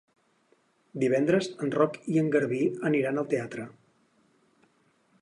Divendres en Roc i en Garbí aniran al teatre.